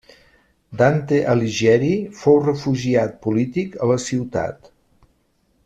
Dante Alighieri fou refugiat polític a la ciutat.